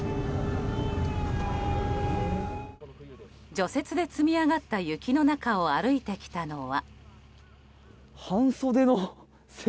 除雪で積み上がった雪の中を歩いてきたのは。